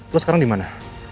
lo sekarang dimana